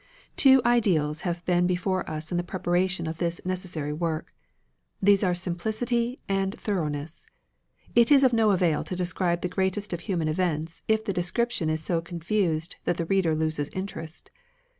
Two ideals have been before us in the preparation of this necessary work. These are simplicity and thoroughness. It is of no avail to describe the greatest of human events if the description is so confused that the reader loses interest.